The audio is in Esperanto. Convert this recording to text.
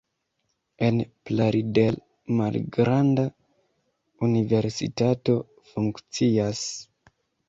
En Plaridel malgranda universitato funkcias.